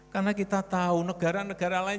karena kita tahu negara negara lain